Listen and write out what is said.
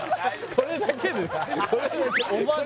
それだけです